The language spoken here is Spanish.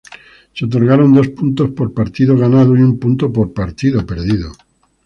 Se otorgaron dos puntos por partido ganado y un punto por partido perdido.